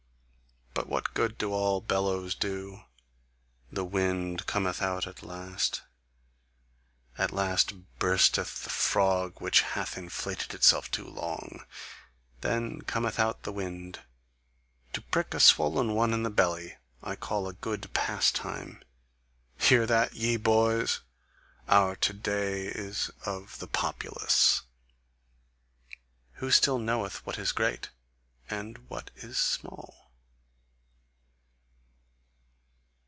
But what good do all bellows do! The wind cometh out at last. At last bursteth the frog which hath inflated itself too long: then cometh out the wind. To prick a swollen one in the belly, I call good pastime. Hear that, ye boys! Our to day is of the populace: who still KNOWETH what is great and what is small!